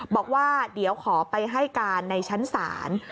บอกว่าเดี๋ยวขอไปให้การในชั้นศาล